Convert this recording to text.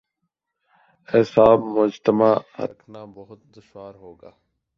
اعصاب مجتمع رکھنا بہت دشوار ہو گا۔